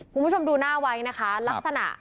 คุณผู้ชมดูหน้าไว้นะคะลักษณะ